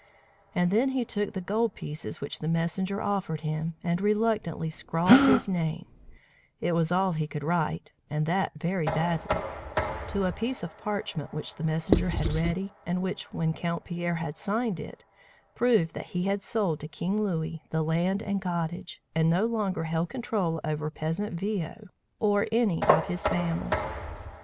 And then he took the gold pieces which the messenger offered him, and reluctantly scrawled his name (it was all he could write, and that very badly) to a piece of parchment which the messenger had ready, and which, when Count Pierre had signed it, proved that he had sold to King Louis the land and cottage, and no longer held control over peasant Viaud or any of his family.